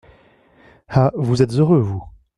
Ah ! vous êtes heureux, vous !